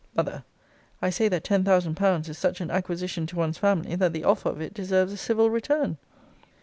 M. I say, that ten thousand pounds is such an acquisition to one's family, that the offer of it deserves a civil return.